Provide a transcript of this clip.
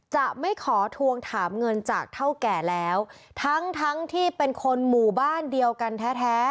จะไม่ขอทวงถามเงินจากเท่าแก่แล้วทั้งทั้งที่เป็นคนหมู่บ้านเดียวกันแท้แท้